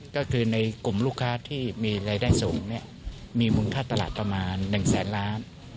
ก็คือในกลุ่มลูกค้าที่มีรายได้สูงมีมูลค่าตลาดประมาณ๑แสนล้าน